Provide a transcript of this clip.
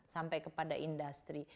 sampai kepada industri